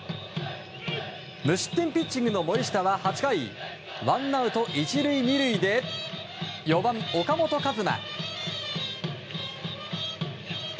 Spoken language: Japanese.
無失点ピッチングの森下は８回ワンアウト１塁２塁で４番、岡本和真。